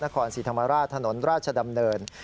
นครศรีธรรมราชถนนราชดำเนิน